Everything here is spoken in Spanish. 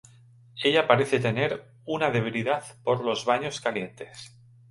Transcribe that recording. Ella parece tener una debilidad por los baños calientes.